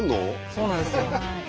そうなんですよ。